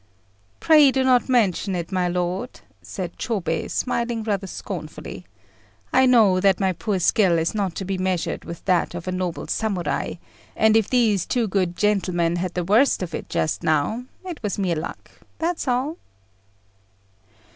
"Pray do not mention it, my lord," said Chôbei, smiling rather scornfully. "I know that my poor skill is not to be measured with that of a noble Samurai; and if these two good gentlemen had the worst of it just now, it was mere luck that's all."